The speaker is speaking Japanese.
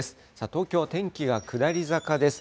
東京、天気が下り坂です。